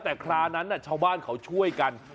แต่คราวนั้นชาวบ้านเขาช่วยกัน